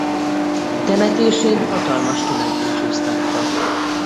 Temetésén hatalmas tömeg búcsúztatta.